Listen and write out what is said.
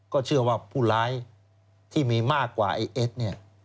ก็เชื่อว่าผู้ร้ายที่มีมากกว่าไอ้เอ็ดเนี่ย